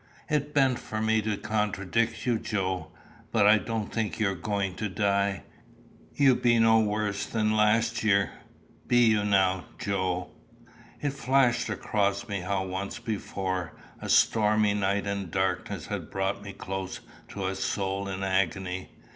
"It ben't for me to contradict you, Joe. But I don't think you be going to die. You be no worse than last year. Be you now, Joe?" It flashed across me how once before, a stormy night and darkness had brought me close to a soul in agony.